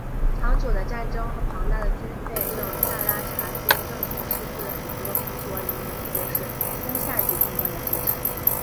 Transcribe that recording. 长久的战争和庞大的军费令萨拉查军政权失去了很多葡国人民特别是中下级军官的支持。